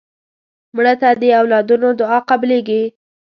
مړه ته د اولادونو دعا قبلیږي